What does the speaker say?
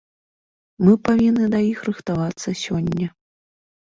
Мы павінны да іх рыхтавацца сёння.